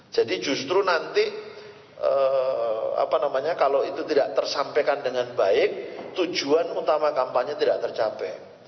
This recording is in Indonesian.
jadi justru nanti kalau itu tidak tersampaikan dengan baik tujuan utama kampanye tidak tercapai